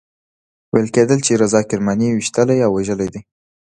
ویل کېدل چې رضا کرماني ویشتلی او وژلی دی.